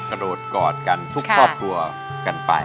กระโดดกอดกันทุกครอบครัวกันไป